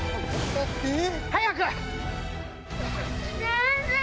早く！